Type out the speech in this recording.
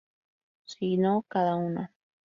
Si no cada uno.